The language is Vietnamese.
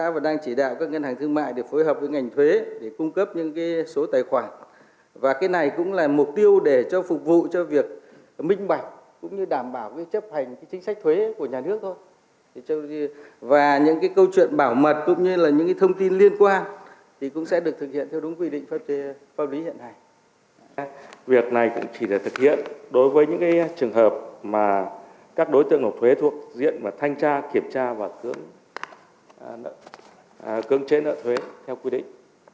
việc này cũng chỉ là thực hiện đối với những trường hợp mà các đối tượng thuế thuộc diện và thanh tra kiểm tra và cưỡng chế nợ thuế theo quy định